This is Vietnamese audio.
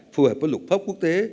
phù hợp với luật pháp quốc tế